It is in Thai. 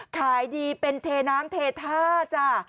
ขายดีเป็นเทน้ำเทท่าจ้ะ